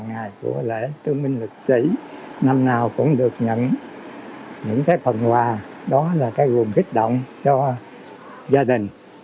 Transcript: ngày của lễ thương minh lịch sĩ năm nào cũng được nhận những cái phần quà đó là cái nguồn kích động cho gia đình